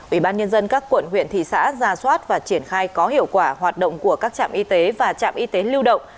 ubnd các quận huyện thị xã ra soát và triển khai có hiệu quả hoạt động của các trạm y tế và trạm y tế lưu động